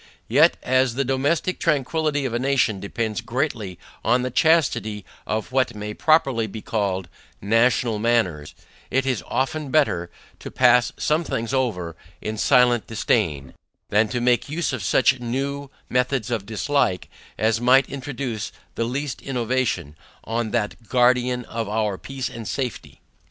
Yet, as the domestic tranquillity of a nation, depends greatly, on the CHASTITY of what may properly be called NATIONAL MANNERS, it is often better, to pass some things over in silent disdain, than to make use of such new methods of dislike, as might introduce the least innovation, on that guardian of our peace and safety.